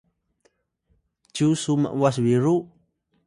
cyu su m’was-biru?